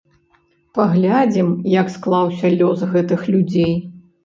Паглядзім, як склаўся лёс гэтых людзей.